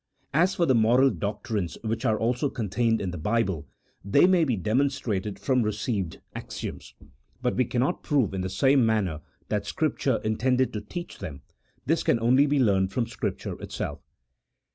As for the moral doctrines which are also contained in the Bible, they may be demonstrated from received axioms, but we cannot prove in the same manner that Scripture intended to teach them, this can only be learned from Scrip ture itself.